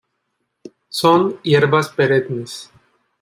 Son hierbas perennes.